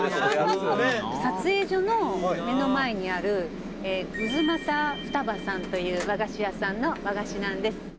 「撮影所の目の前にあるうずまさふたばさんという和菓子屋さんの和菓子なんです」